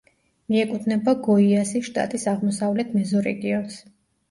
მიეკუთვნება გოიასის შტატის აღმოსავლეთ მეზორეგიონს.